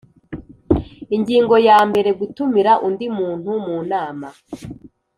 Ingingo yambere Gutumira undi muntu mu nama